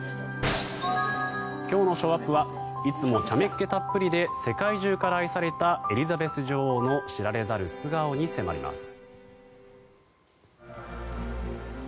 今日のショーアップはいつもちゃめっ気たっぷりで世界中から愛されたエリザベス女王の知られざる素顔に迫ります。